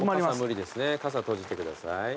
傘無理ですね傘閉じてください。